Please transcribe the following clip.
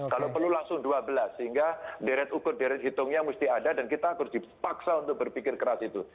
kalau perlu langsung dua belas sehingga deret ukur deret hitungnya mesti ada dan kita harus dipaksa untuk berpikir keras itu